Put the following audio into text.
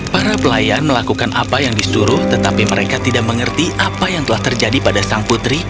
para pelayan melakukan apa yang disuruh tetapi mereka tidak mengerti apa yang telah terjadi pada sang putri